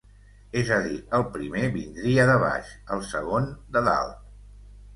És a dir, el primer vindria de baix, el segon de dalt.